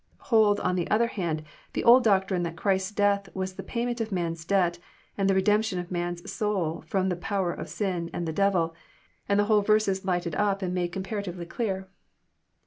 Hold, on the other hand, the old doctrine that Christ's death was the payment of man's debt, and the redemption of man's soul ftom the power of sin and the devil, and the whole verse is lighted up and made comparatively clear.